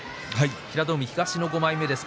平戸海、東の６枚目です。